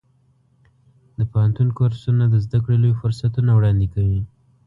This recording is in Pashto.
د پوهنتون کورسونه د زده کړې لوی فرصتونه وړاندې کوي.